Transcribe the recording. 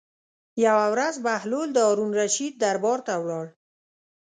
یوه ورځ بهلول د هارون الرشید دربار ته ولاړ.